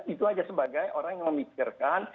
itu aja sebagai orang yang memikirkan